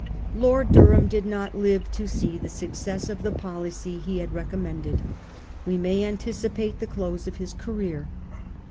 Lord Durham did not live to see the success of the policy he had recommended. We may anticipate the close of his career.